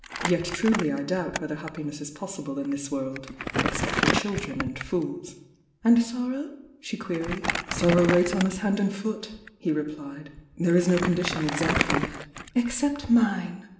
Yet truly I doubt whether happiness is possible in this world, except for children and fools." "And sorrow?" she queried. "Sorrow waits on us hand and foot," he replied — "There is no condition exempt from it." "Except mine!"